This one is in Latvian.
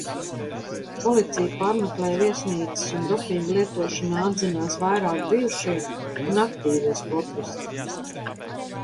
Policija pārmeklēja viesnīcas un dopinga lietošanā atzinās vairāki bijušie un aktīvie sportisti.